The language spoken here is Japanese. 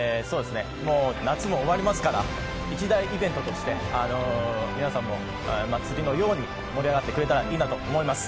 夏も終わりますから、一大イベントとして皆さんも祭りのように盛り上がっていただけたらと思います。